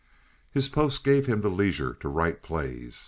His post gave him the leisure to write plays.